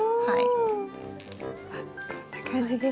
はい。